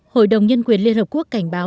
hội đồng nhân quyền liên hợp quốc cảnh báo